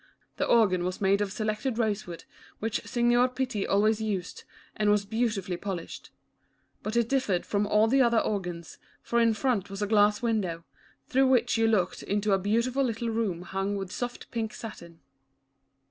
The organ was made of selected rose wood, which Signor Pitti always used, and was beautifully polished. But it differed from all the other organs, for in front was a glass window, through which you looked into a beautiful little room hung with soft pink satin.